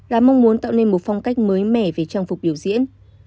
là mong muốn tạo nên một phong cách mới mẻ về trang phục biểu diễn